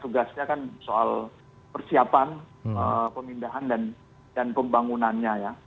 tugasnya kan soal persiapan pemindahan dan pembangunannya ya